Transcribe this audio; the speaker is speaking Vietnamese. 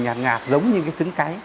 nhạt nhạt giống như cái trứng cấy